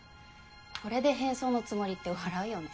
これで変装のつもりって笑うよね。